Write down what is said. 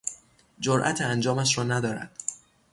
جرات انجامش را ندارد.